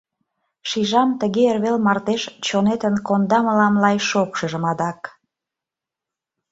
Шижам, тыге эрвел мардеж чонетын Конда мылам лай шокшыжым адак…